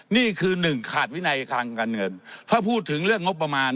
นี่คือหนึ่งขาดวินัยทางการเงินถ้าพูดถึงเรื่องงบประมาณ